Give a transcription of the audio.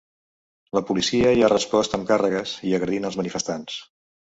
La policia hi ha respost amb càrregues i agredint els manifestants.